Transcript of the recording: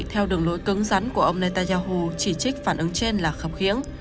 theo đường lối cứng rắn của ông netanyahu chỉ trích phản ứng trên là khập khiễng